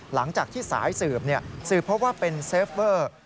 หลังจากที่สายสืบสืบเพราะว่าเป็นเซฟเวอร์